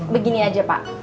begini aja pak